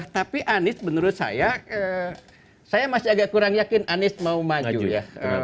tapi anies menurut saya saya masih agak kurang yakin anies mau maju ya